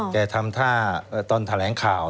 ทำท่าตอนแถลงข่าว